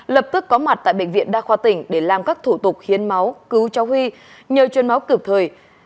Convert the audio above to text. lập tức có mặt tại bệnh viện đa khoa tỉnh để làm các thủ tục hiến máu cứu cháu huy nhờ chuyên máu kịp thời